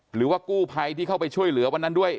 หรือว่ากู้ภัยที่เข้าไปช่วยเหลือวันนั้นด้วย